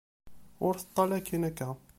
Ur teṭṭal akkin akka.